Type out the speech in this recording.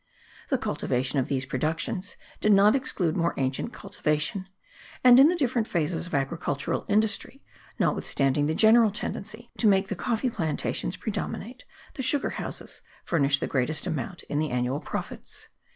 The cultivation of these productions did not exclude more ancient cultivation; and, in the different phases of agricultural industry, notwithstanding the general tendency to make the coffee plantations predominate, the sugar houses furnish the greatest amount in the annual profits.